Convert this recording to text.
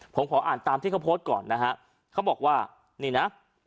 ผมขออ่านตามที่เขาโพสต์ก่อนนะฮะเขาบอกว่านี่นะ